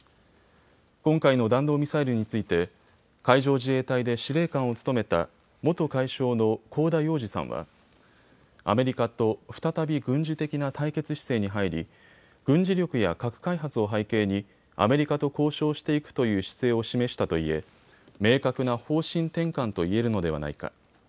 今回の弾道ミサイルについて海上自衛隊で司令官を務めた元海将の香田洋二さんはアメリカと再び軍事的な対決姿勢に入り、軍事力や核開発を背景にアメリカと交渉していくという姿勢を示したと言え明確な方針転換と言えるのではないか。